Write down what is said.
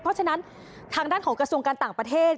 เพราะฉะนั้นทางด้านของกระทรวงการต่างประเทศ